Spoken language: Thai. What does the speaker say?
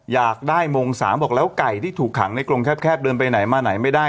อยากได้มง๓บอกแล้วไก่ที่ถูกขังในกรงแคบเดินไปไหนมาไหนไม่ได้